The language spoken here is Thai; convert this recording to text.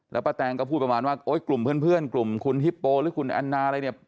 แล้วป้าแตงก็พูดประมาณว่าโอ๊ยกลุ่มเพื่อนกลุ่มคุณฮิปโปหรือคุณแอนนาอะไรเนี่ย